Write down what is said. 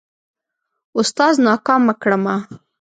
اوستاذ ناکامه کړمه.